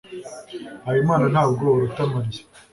habimana ntabwo aruta mariya